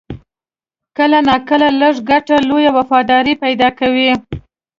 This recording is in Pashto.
کله ناکله لږ ګټه، لویه وفاداري پیدا کوي.